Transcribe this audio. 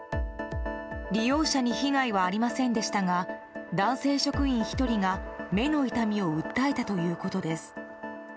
利用者に被害はありませんでしたが男性職員１人が目の痛みを訴えたということです。